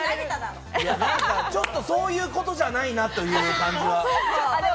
そういうことじゃないなという感じは。